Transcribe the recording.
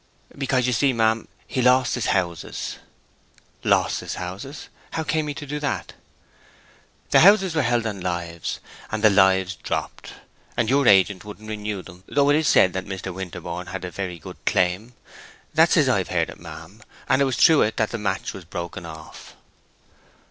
"Because, you see, ma'am, he lost his houses." "Lost his houses? How came he to do that?" "The houses were held on lives, and the lives dropped, and your agent wouldn't renew them, though it is said that Mr. Winterborne had a very good claim. That's as I've heard it, ma'am, and it was through it that the match was broke off."